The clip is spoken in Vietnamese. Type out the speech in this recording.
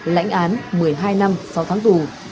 lãnh án một mươi hai năm sau tháng tù